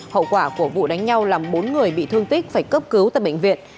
hậu quả của vụ đánh nhau làm bốn người bị thương tích phải cấp cứu tại bệnh viện